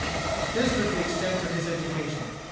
This was the extent of his education.